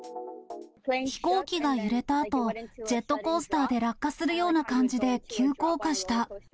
飛行機が揺れたあと、ジェットコースターで落下するような感じで急降下した。